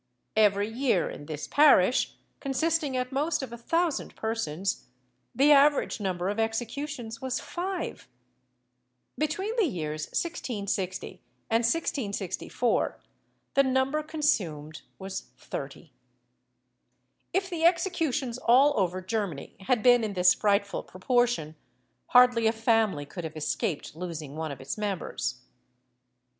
Every year in this parish, consisting at most of a thousand persons, the average number of executions was five. Between the years 1660 and 1664, the number consumed was thirty. If the executions all over Germany had been in this frightful proportion, hardly a family could have escaped losing one of its members.